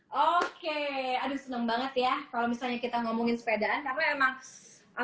oke aduh seneng banget ya kalau misalnya kita ngomongin sepedaan